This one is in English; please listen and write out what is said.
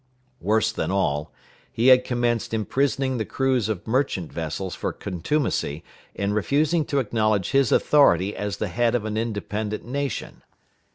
Worse than all, he had commenced imprisoning the crews of merchant vessels for contumacy in refusing to acknowledge his authority as the head of an independent nation.